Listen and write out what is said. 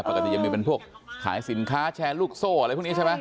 ปกติยังมีเป็นพวกขายสินค้าแชร์ลูกโซ่อะไรพวกนี้ใช่ไหม